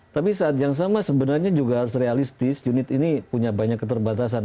tapi saat yang sama sebenarnya juga harus realistis unit ini punya banyak keterbatasan